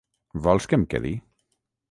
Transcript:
Vols que em quedi?